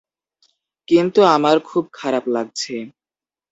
কিন্তু আমার খুব খারাপ লাগছে।